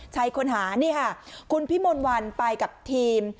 ใช้ค้นหานี่ค่ะคุณพิมนต์วันไปกับทีม